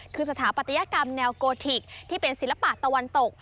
คือสถาปัตยกรรมแนวโกธิกที่เป็นศิลปะตะวันตก